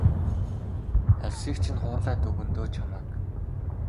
Арьсыг чинь хуулаад өгнө дөө чамайг.